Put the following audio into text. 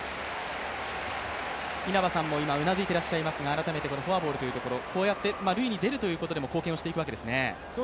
稲葉さんも、今頷いていらっしゃいますか、改めて、このフォアボールというところこうやって塁に出るということでも貢献をしていくわけですね。